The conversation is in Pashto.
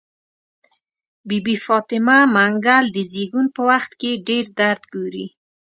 بي بي فاطمه منګل د زيږون په وخت کې ډير درد ګوري.